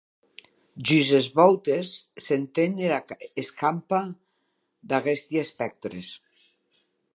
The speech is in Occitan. Jos es vòutes s’enten era escampa d’aguesti espèctres.